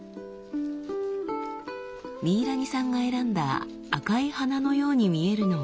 ミイラニさんが選んだ赤い花のように見えるのはリコ。